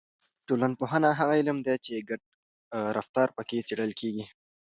ټولنپوهنه هغه علم دی چې ګډ رفتار پکې څېړل کیږي.